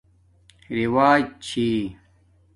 رِوج چھی